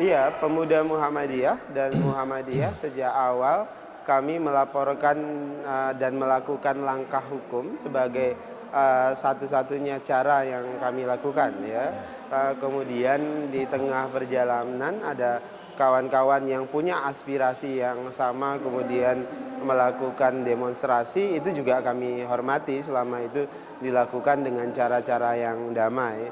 ya pemuda muhammadiyah dan muhammadiyah sejak awal kami melaporkan dan melakukan langkah hukum sebagai satu satunya cara yang kami lakukan ya kemudian di tengah perjalanan ada kawan kawan yang punya aspirasi yang sama kemudian melakukan demonstrasi itu juga kami hormati selama itu dilakukan dengan cara cara yang damai